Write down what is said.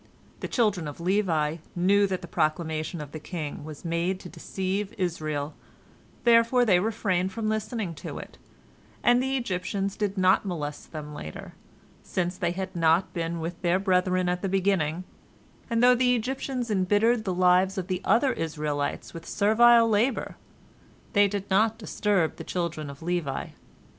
The children of Levi knew that the proclamation of the king was made to deceive Israel, therefore they refrained from listening to it, and the Egyptians did not molest them later, since they had not been with their brethren at the beginning, and though the Egyptians embittered the lives of the other Israelites with servile labor, they did not disturb the children of Levi.